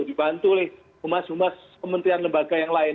dibantu oleh umas umas kementerian lembaga yang lain